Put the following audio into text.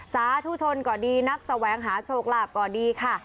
สาธุชนก็ดีนักแสวงหาโชคลาภก็ดีค่ะ